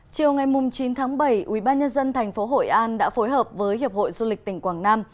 chiều ngày chín tháng bảy ubnd tp hội an đã phối hợp với hiệp hội du lịch tỉnh quảng nam